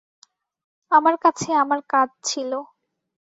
আমার কাছে আমার কাজ ছিলো।